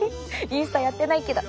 インスタやってないけど。